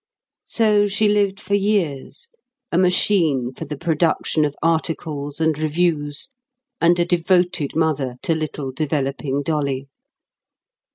So she lived for years, a machine for the production of articles and reviews; and a devoted mother to little developing Dolly.